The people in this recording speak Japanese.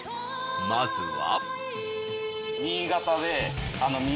まずは。